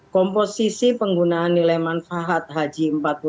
komposisi penggunaan nilai manfaat haji empat puluh dua